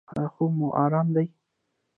ایا خوب مو ارام دی؟